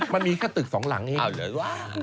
มันมีแค่ตึกสองหลังเอง